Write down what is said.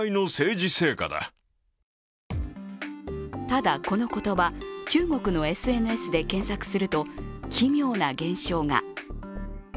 ただ、この言葉、中国のＳＮＳで検索すると奇妙な現象が。